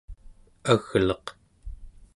agleq